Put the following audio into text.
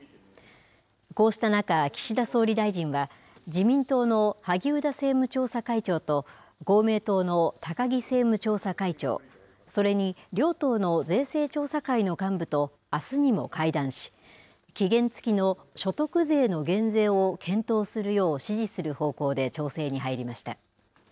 こうした中、岸田総理大臣は自民党の萩生田政府政務調査会長と公明党の高木政務調査会長それに両党の税制調査会の幹部とあすにも会談し期限付きの所得税の減税を検討するよう指示する方向で調整に入りました。